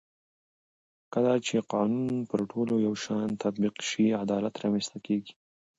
کله چې قانون پر ټولو یو شان تطبیق شي عدالت رامنځته کېږي